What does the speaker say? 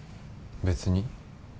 別に。